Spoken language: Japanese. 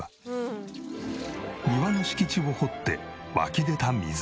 庭の敷地を掘って湧き出た水。